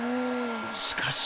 しかし。